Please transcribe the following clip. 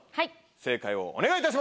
正解をお願いいたします！